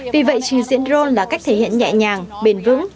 vì vậy trình diễn drone là cách thể hiện nhẹ nhàng bền vững